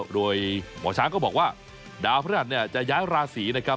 โดยหมอช้างก็บอกว่าดาวพระหัสเนี่ยจะย้ายราศีนะครับ